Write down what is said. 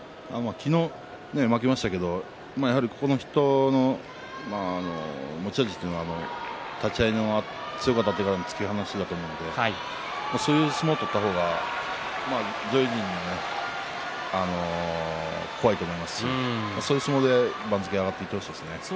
昨日は負けましたけどこの人の持ち味というのは立ち合い強くあたってからの突き放しだと思うのでそういう相撲を取った方が相手は怖いと思いますしそういう相撲で番付が上がっていってほしいですね。